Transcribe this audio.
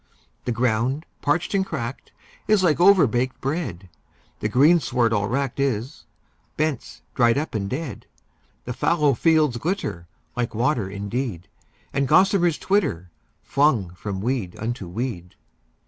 The ground parched and cracked is like overbaked bread, The greensward all wracked is, bents dried up and dead. The fallow fields glitter like water indeed, And gossamers twitter, flung from weed unto weed.